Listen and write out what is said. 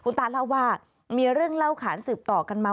ตาเล่าว่ามีเรื่องเล่าขานสืบต่อกันมา